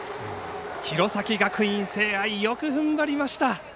弘前学院聖愛よくふんばりました。